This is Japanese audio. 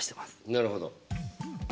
なるほど。